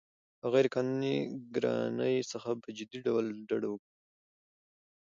او غیرقانوني ګرانۍ څخه په جدي ډول ډډه وکړي